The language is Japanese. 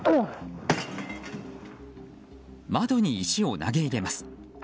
窓に石を投げ入れます。